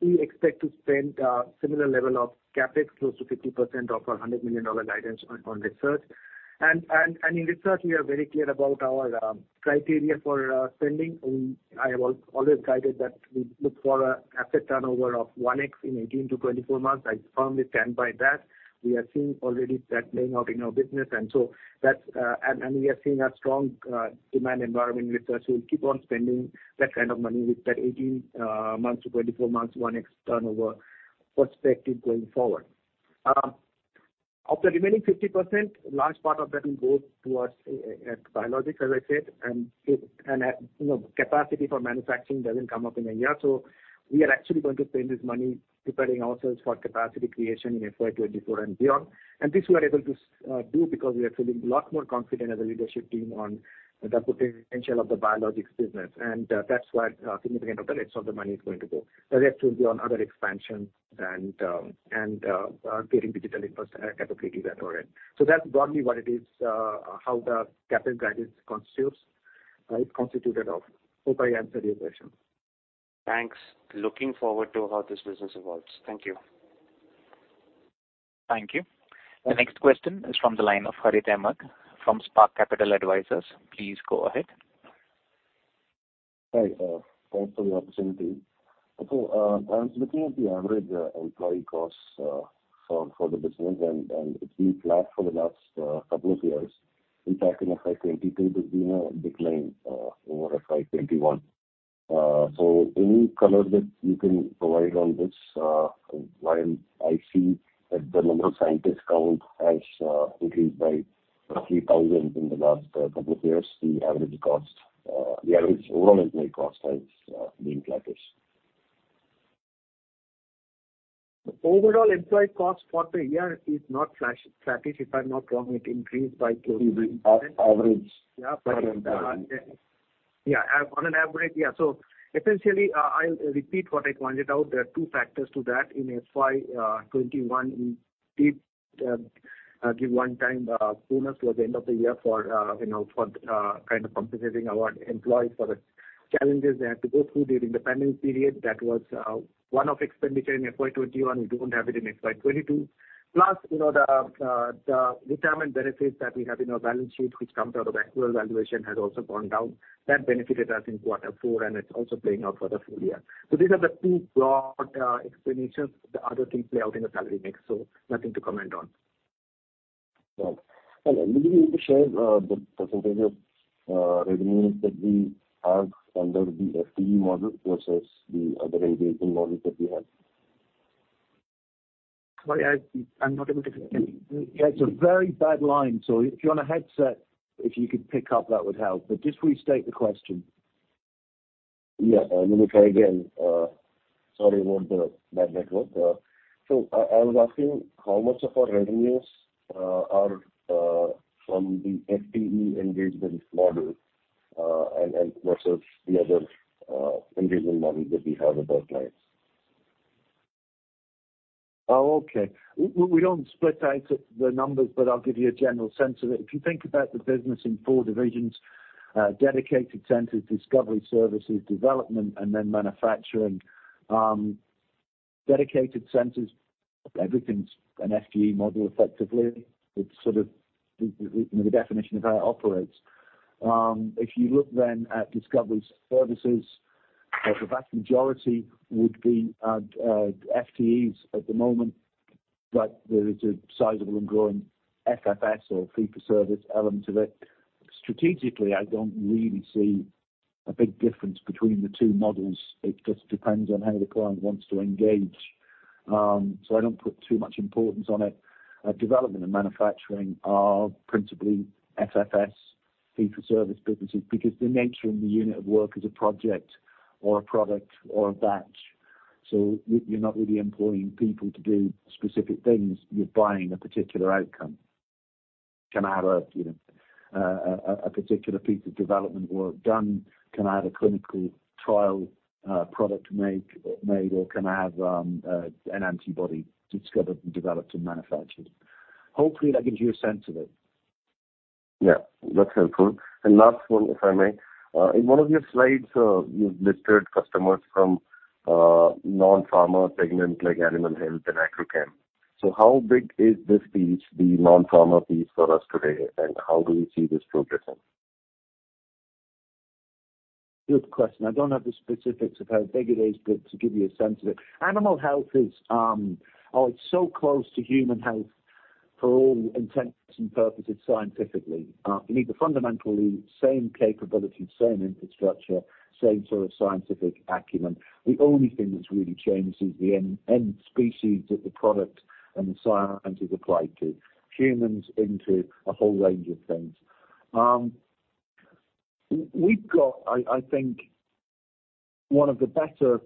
We expect to spend a similar level of CapEx, close to 50% of our $100 million guidance on research. In research, we are very clear about our criteria for spending. I have always guided that we look for an asset turnover of 1x in 18-24 months. I firmly stand by that. We are seeing already that playing out in our business. We are seeing a strong demand environment with us. We'll keep on spending that kind of money with that 18 months to 24 months, 1x turnover perspective going forward. Of the remaining 50%, large part of that will go towards biologics, as I said. You know, capacity for manufacturing doesn't come up in a year, so we are actually going to spend this money preparing ourselves for capacity creation in FY 2024 and beyond. This we are able to do because we are feeling a lot more confident as a leadership team on the potential of the biologics business. That's where a significant of the rest of the money is going to go. The rest will be on other expansion and creating digital infrastructure capabilities at ORN. That's broadly what it is, how the capital guidance is constituted of. Hope I answered your question. Thanks. Looking forward to how this business evolves. Thank you. Thank you. The next question is from the line of Harith Ahamed from Spark Capital Advisors. Please go ahead. Hi. Thanks for the opportunity. I was looking at the average employee costs for the business and it's been flat for the last couple of years. In fact, in FY 2022, there's been a decline over FY 2021. Any color that you can provide on this, while I see that the number of scientists count has increased by roughly 1,000 in the last couple of years, the average cost, the average overall employee cost has been flattish. Overall employee cost for the year is not flat-ish. If I'm not wrong, it increased by 20%. Average. Yeah. Per employee. Yeah. On an average, yeah. Essentially, I'll repeat what I pointed out. There are two factors to that. In FY 2021, we did give one-time bonus towards the end of the year for you know, for kind of compensating our employees for the challenges they had to go through during the pandemic period. That was one-off expenditure in FY 2021. We don't have it in FY 2022. Plus, you know, the retirement benefits that we have in our balance sheet, which comes out of actual valuation, has also gone down. That benefited us in quarter four, and it's also playing out for the full year. These are the two broad explanations. The other things play out in the salary mix, so nothing to comment on. Are you able to share the percentage of revenues that we have under the FTE model versus the other engagement model that we have? Sorry, I'm not able to. It's a very bad line. If you're on a headset, if you could pick up, that would help. Just restate the question. Yeah, let me try again. Sorry about the bad network. I was asking how much of our revenues are from the FTE engagement model, and versus the other engagement model that we have with our clients. Oh, okay. We don't split out the numbers, but I'll give you a general sense of it. If you think about the business in four divisions, dedicated centers, discovery services, development, and then manufacturing, dedicated centers, everything's an FTE model, effectively. It's sort of the, you know, the definition of how it operates. If you look then at discovery services, the vast majority would be FTEs at the moment, but there is a sizable and growing FFS or fee for service element of it. Strategically, I don't really see a big difference between the two models. It just depends on how the client wants to engage. So I don't put too much importance on it. Development and manufacturing are principally FFS, fee for service businesses, because the nature of the unit of work is a project or a product or a batch. You're not really employing people to do specific things. You're buying a particular outcome. Can I have a, you know, particular piece of development work done? Can I have a clinical trial product made, or can I have an antibody discovered and developed and manufactured? Hopefully, that gives you a sense of it. Yeah, that's helpful. Last one, if I may. In one of your slides, you've listed customers from non-pharma segments like animal health and agrochem. How big is this piece, the non-pharma piece for us today, and how do we see this progressing? Good question. I don't have the specifics of how big it is, but to give you a sense of it, animal health is so close to human health for all intents and purposes scientifically. You need the fundamentally same capabilities, same infrastructure, same sort of scientific acumen. The only thing that's really changed is the end species that the product and the science is applied to, humans into a whole range of things. We've got, I think, one of the better,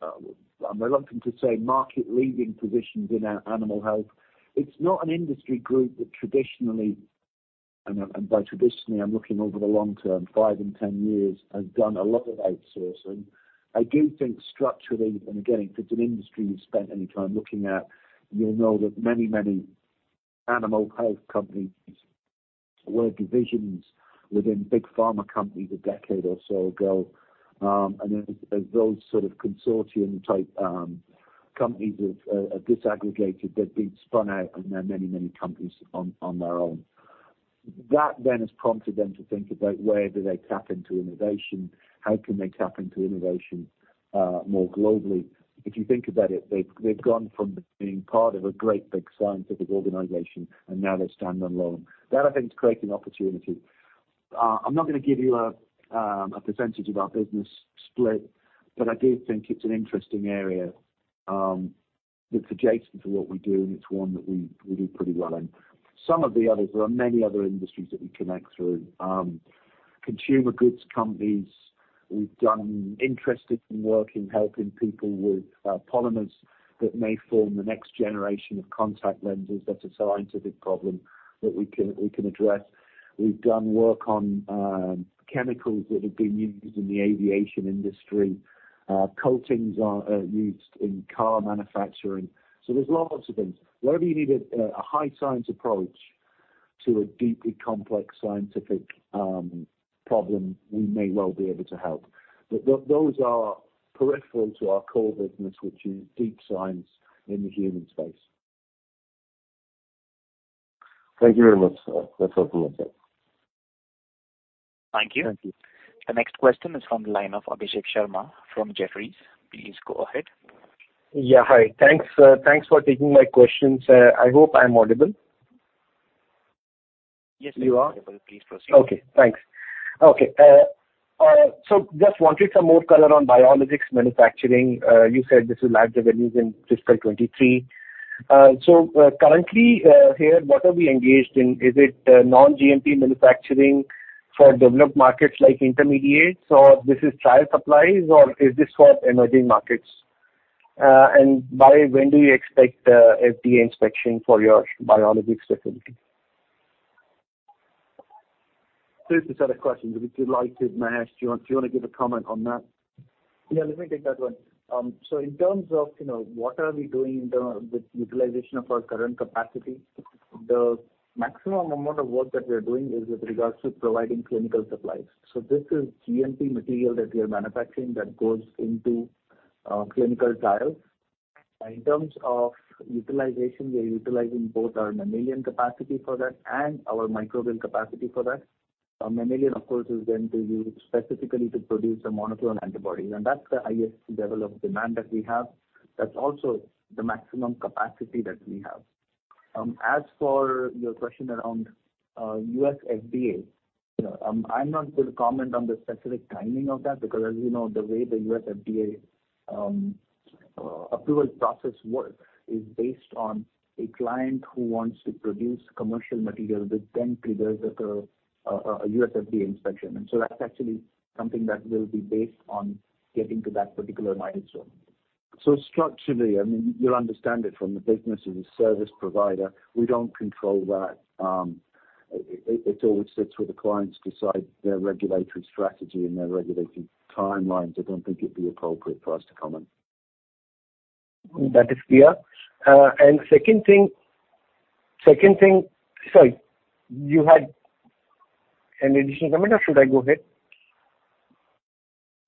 I'm reluctant to say market-leading positions in animal health. It's not an industry group that traditionally, and by traditionally, I'm looking over the long term, five and 10 years, has done a lot of outsourcing. I do think structurally, and again, if it's an industry you've spent any time looking at, you'll know that many, many animal health companies were divisions within big pharma companies a decade or so ago. As those sort of consortium type companies have disaggregated, they've been spun out, and there are many, many companies on their own. That then has prompted them to think about where do they tap into innovation? How can they tap into innovation more globally? If you think about it, they've gone from being part of a great big scientific organization, and now they stand alone. That, I think, is creating opportunity. I'm not gonna give you a percentage of our business split, but I do think it's an interesting area that's adjacent to what we do, and it's one that we do pretty well in. Some of the others, there are many other industries that we connect through. Consumer goods companies. We've done interesting work in helping people with polymers that may form the next generation of contact lenses. That's a scientific problem that we can address. We've done work on chemicals that have been used in the aviation industry. Coatings are used in car manufacturing. So there's lots of things. Wherever you need a high science approach to a deeply complex scientific problem, we may well be able to help. But those are peripheral to our core business, which is deep science in the human space. Thank you very much, sir. That's helpful. Thank you. Thank you. The next question is from the line of Abhishek Sharma from Jefferies. Please go ahead. Yeah. Hi. Thanks for taking my questions. I hope I'm audible. Yes. You are. Please proceed. Thanks. Just wanted some more color on biologics manufacturing. You said this will add revenues in fiscal 2023. Currently, here, what are we engaged in? Is it non-GMP manufacturing for developed markets like intermediates, or this is trial supplies, or is this for emerging markets? By when do you expect FDA inspection for your biologics facility? Two separate questions. If you'd like to, Mahesh, do you wanna give a comment on that? Yeah, let me take that one. In terms of, you know, what are we doing with utilization of our current capacity, the maximum amount of work that we're doing is with regards to providing clinical supplies. This is GMP material that we are manufacturing that goes into clinical trials. In terms of utilization, we are utilizing both our mammalian capacity for that and our microbial capacity for that. Our mammalian, of course, is going to be used specifically to produce the monoclonal antibodies, and that's the highest level of demand that we have. That's also the maximum capacity that we have. As for your question around U.S. FDA, you know, I'm not going to comment on the specific timing of that because as you know, the way the U.S. FDA approval process works is based on a client who wants to produce commercial material that then triggers a U.S. FDA inspection. That's actually something that will be based on getting to that particular milestone. Structurally, I mean, you'll understand it from the business. As a service provider, we don't control that. It always sits with the clients decide their regulatory strategy and their regulatory timelines. I don't think it'd be appropriate for us to comment. That is clear. Second thing. Sorry, you had an additional comment or should I go ahead?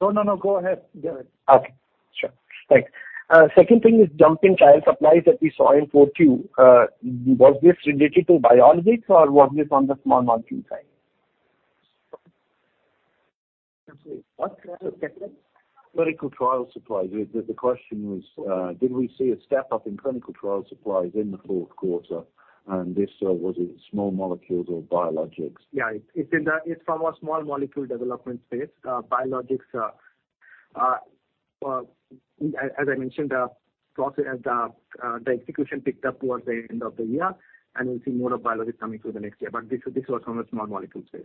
No, go ahead. Okay. Sure. Thanks. Second thing is jump in trial supplies that we saw in Q4. Was this related to biologics or was this on the small molecule side? What? Clinical trial supplies. The question was, did we see a step up in clinical trial supplies in the fourth quarter, and this was it small molecules or biologics? Yeah. It's from a small molecule development space. Well, as I mentioned, progress in the execution picked up towards the end of the year, and we'll see more of biologics coming through the next year. This was from a small molecule space.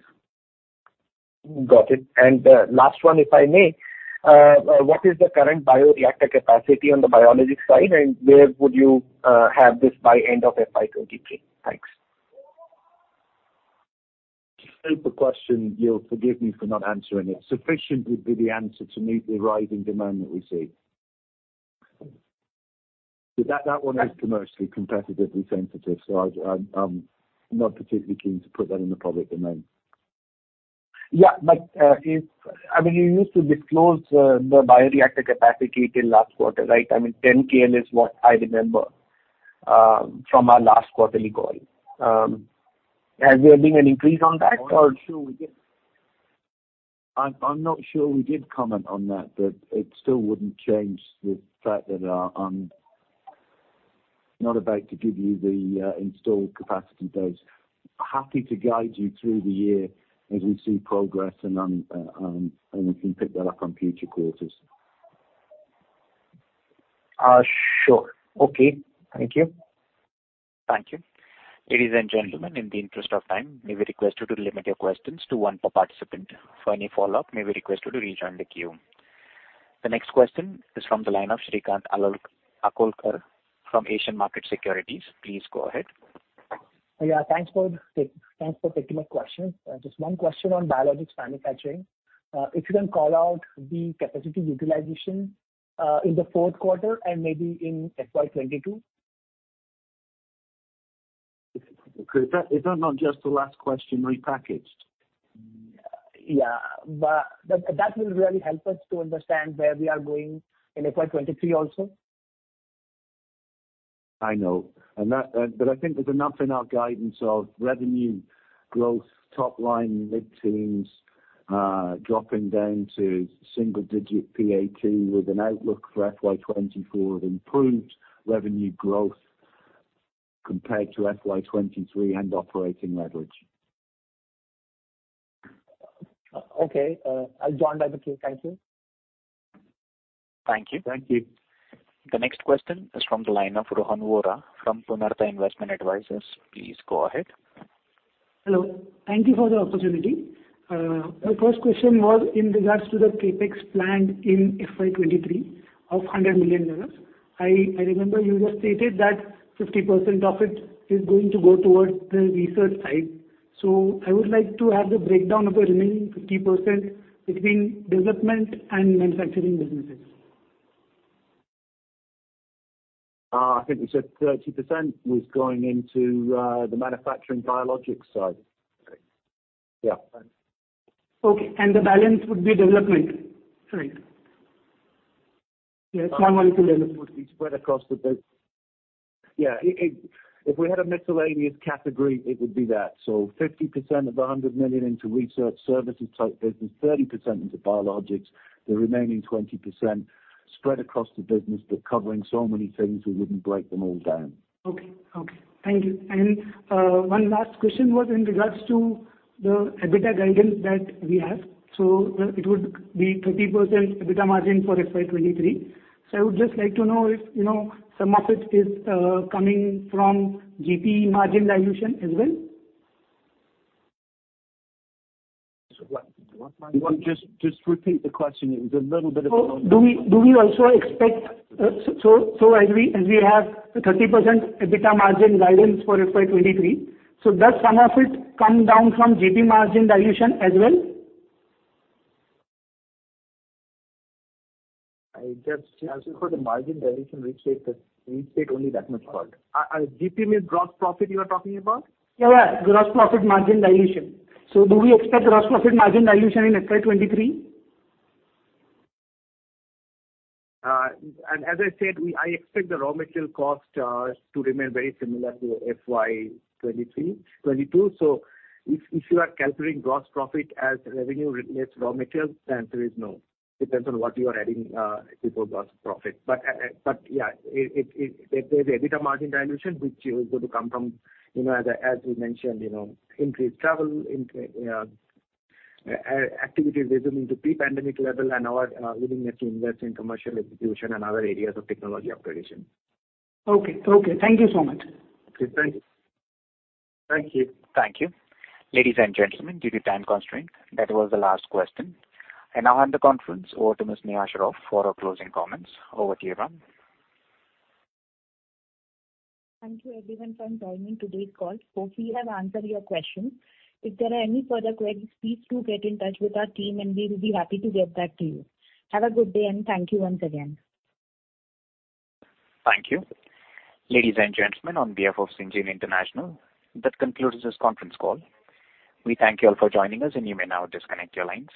Got it. Last one, if I may. What is the current bioreactor capacity on the biologic side, and where would you have this by end of FY 2023? Thanks. Super question. You'll forgive me for not answering it. Sufficient would be the answer to meet the rising demand that we see. That one is commercially competitively sensitive, so I'm not particularly keen to put that in the public domain. Yeah. I mean, you used to disclose the bioreactor capacity till last quarter, right? I mean, 10 KL is what I remember from our last quarterly call. Has there been an increase on that or- I'm not sure we did. I'm not sure we did comment on that, but it still wouldn't change the fact that I'm not about to give you the installed capacity base. Happy to guide you through the year as we see progress and then we can pick that up on future quarters. Sure. Okay. Thank you. Thank you. Ladies and gentlemen, in the interest of time, may we request you to limit your questions to one per participant. For any follow-up, may we request you to rejoin the queue. The next question is from the line of Shrikant Akolkar from Asian Markets Securities. Please go ahead. Yeah. Thanks for taking my question. Just one question on biologics manufacturing. If you can call out the capacity utilization in the fourth quarter and maybe in FY 2022. Is that not just the last question repackaged? Yeah, that will really help us to understand where we are going in FY 2023 also. I know. I think there's enough in our guidance of revenue growth, top line mid-teens, dropping down to single digit PAT with an outlook for FY 2024 of improved revenue growth compared to FY 2023 and operating leverage. Okay. I'll join back the queue. Thank you. Thank you. Thank you. The next question is from the line of Rohan Vora from Purnartha Investment Advisers. Please go ahead. Hello. Thank you for the opportunity. My first question was in regards to the CapEx planned in FY 2023 of $100 million. I remember you just stated that 50% of it is going to go towards the research side. I would like to have the breakdown of the remaining 50% between development and manufacturing businesses. I think we said 30% was going into the manufacturing biologics side. Yeah. Okay. The balance would be development? Sorry. Yeah. Small molecule development. It would be spread across. It. If we had a miscellaneous category, it would be that. Fifty percent of the $100 million into research services type business, 30% into biologics, the remaining 20% spread across the business, but covering so many things, we wouldn't break them all down. Okay. Thank you. One last question was in regards to the EBITDA guidance that we have. It would be 30% EBITDA margin for FY 2023. I would just like to know if, you know, some of it is coming from GP margin dilution as well. Just repeat the question. Do we also expect so as we have 30% EBITDA margin guidance for FY 2023, so does some of it come down from GP margin dilution as well? As for the margin dilution, we said only that much part. GP means gross profit you are talking about? Yeah. Gross profit margin dilution. Do we expect gross profit margin dilution in FY 2023? As I said, I expect the raw material cost to remain very similar to FY 2023, 2022. If you are calculating gross profit as revenue less raw materials, the answer is no. Depends on what you are adding before gross profit. There's EBITDA margin dilution which is going to come from, you know, as we mentioned, you know, increased travel, increased activity resuming to pre-pandemic level and our willingness to invest in commercial execution and other areas of technology operation. Okay. Thank you so much. Okay. Thank you. Thank you. Thank you. Ladies and gentlemen, due to time constraint, that was the last question. I now hand the conference over to Ms. Neha Shroff for our closing comments. Over to you, ma'am. Thank you, everyone, for joining today's call. Hope we have answered your questions. If there are any further queries, please do get in touch with our team and we will be happy to get back to you. Have a good day, and thank you once again. Thank you. Ladies and gentlemen, on behalf of Syngene International, that concludes this conference call. We thank you all for joining us, and you may now disconnect your lines.